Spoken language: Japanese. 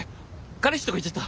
「彼氏」とか言っちゃった。